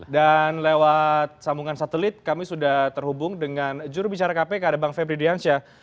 dan lewat sambungan satelit kami sudah terhubung dengan jurubicara kpk ada bang febri diansyah